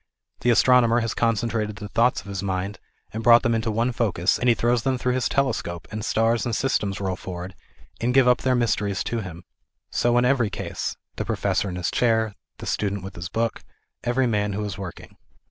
The astrono mer has concentrated the thoughts of his mind, and brought them into one focus, and he throws them through ^ his telescope, and stars and systems roll forward and give up their mysteries to him. So in every case ŌĆö the professor in his chair, the student with his book, every man who is working.